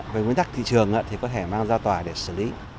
về nguyên tắc thị trường thì có thể mang ra tòa để xử lý